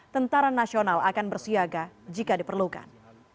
tentara nasional akan bersiaga jika diperlukan